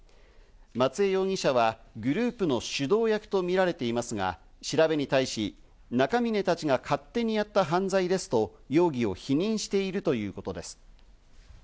松江容疑者はグループの主導役とみられていますが、調べに対し中峯たちが勝手にやった犯罪ですと容疑を否認しているということです。